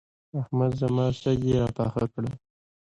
احمد زما سږي راپاخه کړل.